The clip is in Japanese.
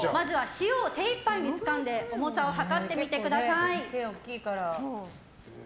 塩を手一杯につかんで重さを量ってみてください。